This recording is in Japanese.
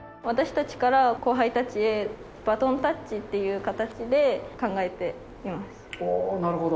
私たちから後輩たちへ、バトンタッチという形で考えています。